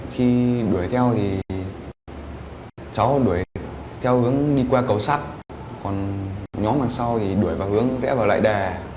khi đuổi theo thì cháu đuổi theo hướng đi qua cầu sắt còn nhóm đằng sau thì đuổi vào hướng rẽ vào lại đà